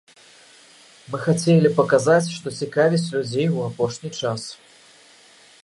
Мы хацелі паказаць, што цікавіць людзей у апошні час.